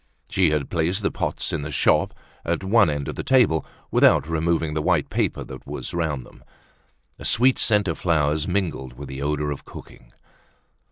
She had placed the pots in the shop at one end of the table without removing the white paper that was round them. A sweet scent of flowers mingled with the odor of cooking.